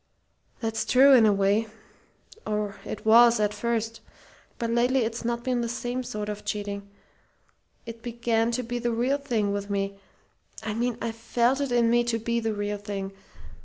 That's true, in a way or it was at first. But lately it's not been the same sort of cheating. It began to be the real thing with me. I mean I felt it in me to be the real thing.